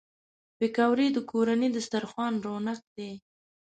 پکورې د کورني دسترخوان رونق دي